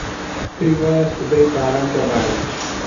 پێی وایە سبەی باران دەبارێت.